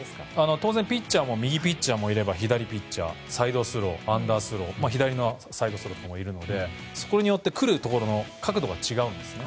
当然、ピッチャーは右ピッチャーもいれば左ピッチャーサイドスロー、アンダースロー左のサイドスローもいるのでそれによって来るところの角度が違うんですね。